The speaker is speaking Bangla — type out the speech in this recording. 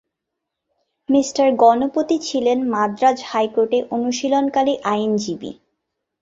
মিঃ গণপতি ছিলেন মাদ্রাজ হাইকোর্টে অনুশীলনকারী আইনজীবী।